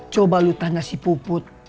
coba lu tanya si puput